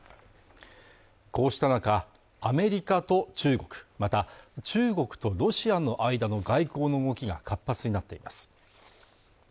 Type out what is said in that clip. こうした中アメリカと中国また中国とロシアの間の外交の動きが活発になっています